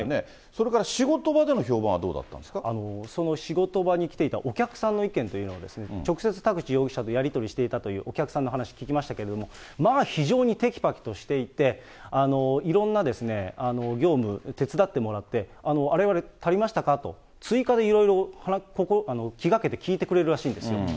それから仕事場での評判はどうだその仕事場に来ていたお客さんの意見というのを、直接、田口容疑者とやり取りしていたというお客さんの話、聞きましたけれども、まあ、非常にてきぱきとしていて、いろんな業務、手伝ってもらって、あれは足りましたかと追加でいろいろ気がけて聞いてくれるらしいんです。